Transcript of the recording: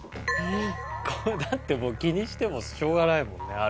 これだってもう気にしてもしょうがないもんねある程度。